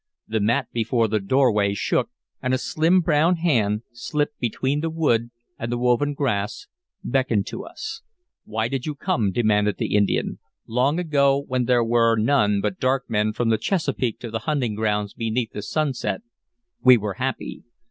The mat before the doorway shook, and a slim brown hand, slipped between the wood and the woven grass, beckoned to us. "Why did you come?" demanded the Indian. "Long ago, when there were none but dark men from the Chesapeake to the hunting grounds beneath the sunset, we were happy.